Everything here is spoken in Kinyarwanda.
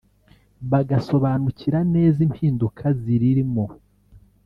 bagasobanukira neza impinduka ziririmo